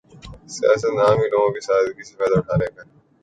سیاست نام ہی لوگوں کی سادگی سے فائدہ اٹھانے کا ہے۔